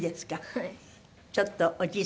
はい。